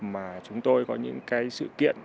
mà chúng tôi có những cái sự kiện